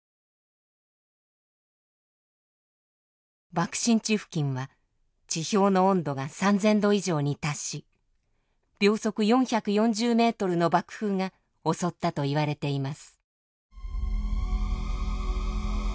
爆心地付近は地表の温度が３，０００度以上に達し秒速４４０メートルの爆風が襲ったといわれています。